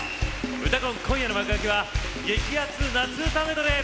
「うたコン」今夜の幕開きは激アツ・夏うたメドレー。